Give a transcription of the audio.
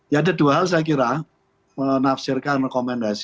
ya ada dua hal saya kira menafsirkan rekomendasi